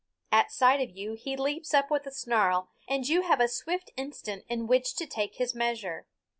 At sight of you he leaps up with a snarl, and you have a swift instant in which to take his measure.